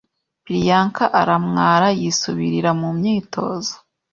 Priyanka aramwara yisubirira mu myitozo.